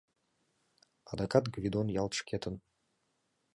Адакат Гвидон ялт шкетын.